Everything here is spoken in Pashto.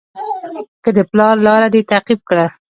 که د پلار لاره دې تعقیب کړه.